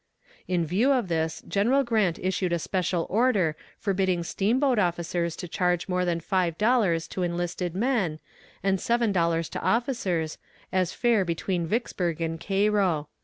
In view of this General Grant issued a special order forbidding steamboat officers to charge more than five dollars to enlisted men, and seven dollars to officers, as fare between Vicksburg and Cairo.